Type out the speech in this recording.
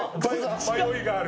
迷いがある。